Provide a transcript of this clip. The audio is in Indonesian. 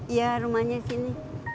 iya rumahnya sini